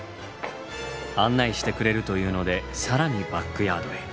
案内してくれるというので更にバックヤードへ。